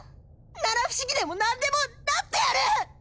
七不思議でも何でもなってやる！